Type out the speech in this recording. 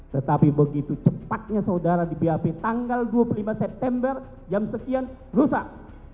tetapi begitu cepatnya saudara di bap tanggal dua puluh lima september jam sekian rusak